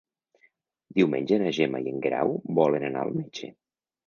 Diumenge na Gemma i en Guerau volen anar al metge.